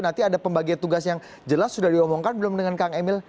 nanti ada pembagian tugas yang jelas sudah diomongkan belum dengan kang emil